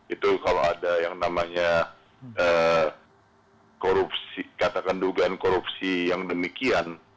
itu kalau ada yang namanya korupsi katakan dugaan korupsi yang demikian